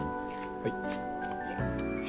はい。